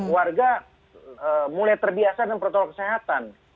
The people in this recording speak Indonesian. warga mulai terbiasa dengan protokol kesehatan